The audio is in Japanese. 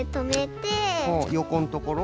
よこんところ？